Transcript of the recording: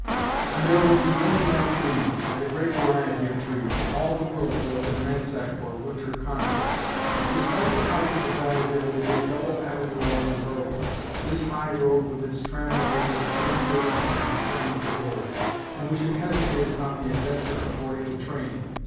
And there will be many more trees, and a great variety of trees all the world will have been ransacked for winter conifers. Despite the height of the valley there will be a double avenue along the road. This high road with its tramway would turn with us to descend the gorge, and we should hesitate upon the adventure of boarding the train.